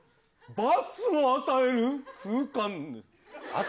罰を与える空間？